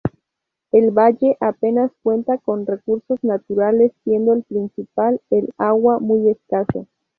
El valle apenas cuenta con recursos naturales, siendo el principal, el agua, muy escaso.